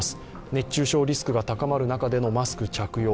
熱中症リスクが高まる中でのマスク着用